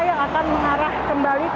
yang akan mengarah kembali